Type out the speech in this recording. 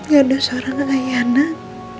gak ada seorang ayah